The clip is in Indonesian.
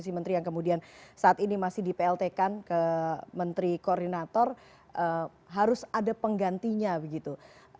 posisi menteri yang kemudian saat ini masih di plt kan ke menteri koordinator harus ada penggantinya begitu